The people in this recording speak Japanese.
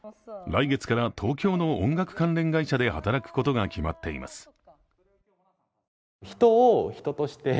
来月から東京の音楽関連会社で働くことが決まっています。